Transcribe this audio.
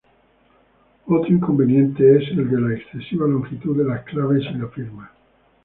Otro inconvenientes es el de la excesiva longitud de las claves y la firma.